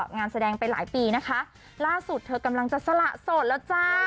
งานแสดงไปหลายปีนะคะล่าสุดเธอกำลังจะสละโสดแล้วจ้า